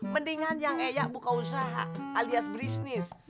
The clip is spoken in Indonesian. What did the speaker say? mendingan yang eya buka usaha alias bisnis